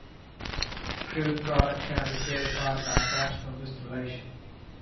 The crude product can be purified by fractional distillation.